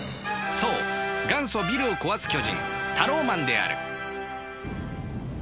そう元祖ビルを壊す巨人タローマンである。